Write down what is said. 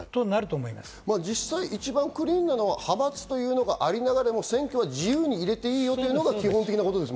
実際、一番クリーンなのは派閥がありながら選挙は自由に入れていいよということですよね。